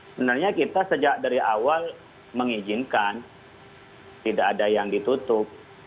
sebenarnya kita sejak dari awal mengizinkan tidak ada yang ditutup